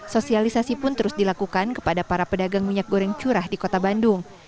sosialisasi pun terus dilakukan kepada para pedagang minyak goreng curah di kota bandung